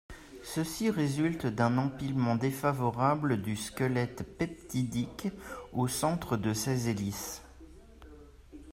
Ceci résulte d'un empilement défavorable du squelette peptidique au centre de ces hélices.